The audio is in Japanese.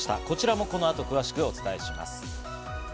こちらもこの後、詳しくお伝えします。